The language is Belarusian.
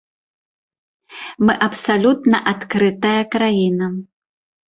Мы абсалютна адкрытая краіна.